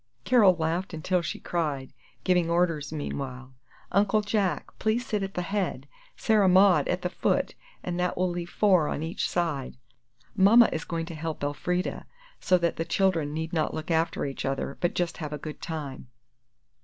Carol laughed until she cried, giving orders, meanwhile, "Uncle Jack, please sit at the head, Sarah Maud at the foot, and that will leave four on each side; Mama is going to help Elfrida, so that the children need not look after each other, but just have a good time."